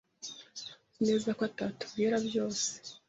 Nzi neza ko atatubwira byose.